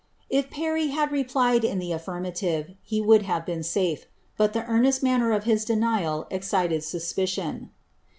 If Parry had replied in the affirmative, he would have been safe ; but the earnest manner of his denial excited suspicion.